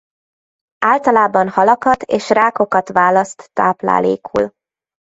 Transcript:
Általában halakat és rákokat választ táplálékul.